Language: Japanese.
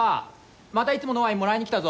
またいつものワインもらいに来たぞ。